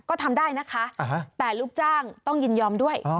ก็ทำได้นะคะแต่ลูกจ้างต้องยินยอมด้วย